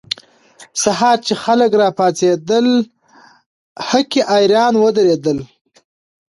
سهار چې خلک راپاڅېدل، هکي اریان ودرېدل.